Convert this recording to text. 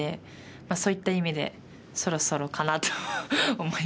まあそういった意味でそろそろかなと思います。